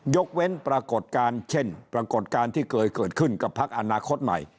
ยกเว้นปรากฏการณ์เช่นปรากฏการณ์ที่เคยเกิดขึ้นกับพักอนาคตใหม่